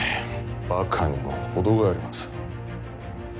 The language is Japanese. バカにも程があります。